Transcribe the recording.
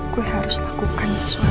gue harus lakukan sesuatu